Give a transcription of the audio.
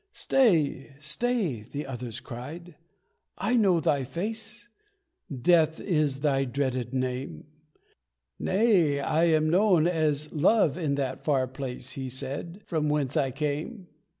"Stay! Stay!" the other cried. "I know thy face! Death is thy dreaded name!" "Nay I am known as 'Love' in that far place," He said, "from whence I came."